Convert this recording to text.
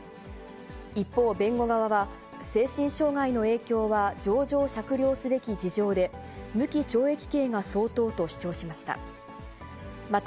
一方、弁護側は精神障害の影響は情状酌量すべき事情で、無期懲役刑が相当と主張しました。